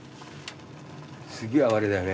すっげえ哀れだよね。